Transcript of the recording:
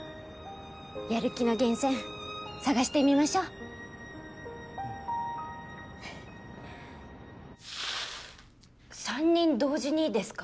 やる気の源泉探してみましょううんふふっ３人同時にですか？